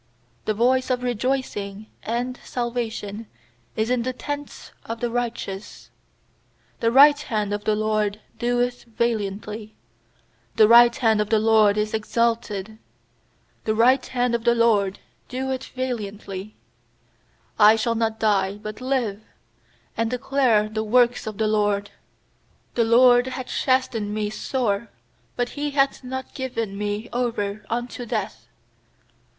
15The voice of rejoicing and salvation is in the tents of the righteous; The right hand of the LORD doeth valiantly. 16The right hand of the LORD is exalted; The right hand of the LORD doeth valiantly. 17I shall not die, but live, And declare the works of the LORD. 18The LORD hath chastened me sore; But He hath not given me over unto death.